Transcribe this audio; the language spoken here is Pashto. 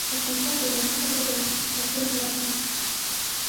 افغانستان د ولایتونو له پلوه یو متنوع هېواد دی.